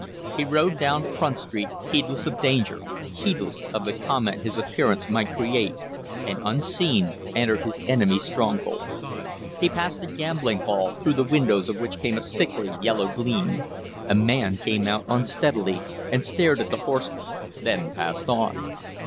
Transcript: He rode down Front Street heedless of danger, heedless of the comment his appearance might create, and, unseen, entered his enemy's stronghold. He passed a gambling hall, through the windows of which came a sickly yellow gleam. A man came out unsteadily and stared at the horseman, then passed on.